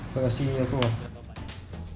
aplikasi aku bang